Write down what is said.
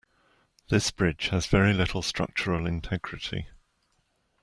This bridge has very little structural integrity.